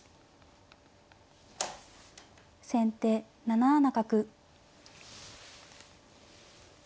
先手７七角。